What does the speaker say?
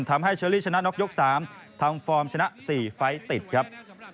ทำให้เชอรี่ชนะน็อกยก๓ทำฟอร์มชนะ๔ไฟล์ติดครับ